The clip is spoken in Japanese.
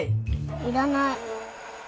要らない。